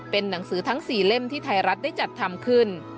เป็นหนังสือทั้ง๔เล่มที่ไทยรัฐได้จัดทำขึ้น